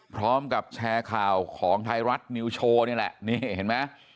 พร้อมกับแชร์ข่าวของไทยรัฐนิวโชว์นี่แหละนี่เห็นไหม